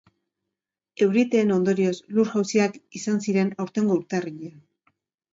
Euriteen ondorioz, lur jauziak izan ziren aurtengo urtarrilean.